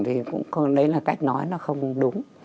thì đấy là cách nói nó không đúng